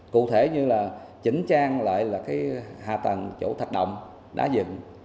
cụ thể như là chỉnh trang lại là hạ tầng chỗ thạch động đá dịnh